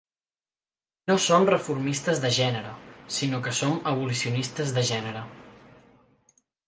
No som reformistes de gènere, sinó que som abolicionistes de gènere.